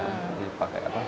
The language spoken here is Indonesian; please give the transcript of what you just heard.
jadi pakai apa